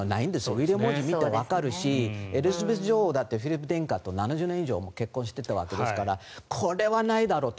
ウィリアム王子を見ていてわかるしエリザベス女王だってフィリップ殿下と７０年以上結婚していたわけですからこれはないだろうと。